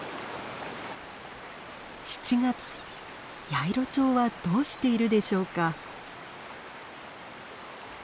ヤイロチョウはどうしているでしょうか。